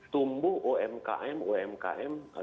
tumbuh umkm umkm